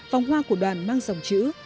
vòng hoa của đoàn mang dòng chữ